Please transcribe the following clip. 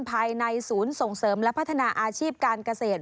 ภายในศูนย์ส่งเสริมและพัฒนาอาชีพการเกษตร